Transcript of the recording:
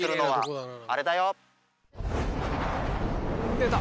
出た！